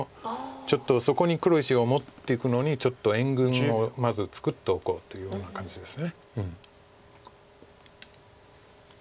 ちょっとそこに黒石を持っていくのにちょっと援軍をまず作っておこうというような感じです。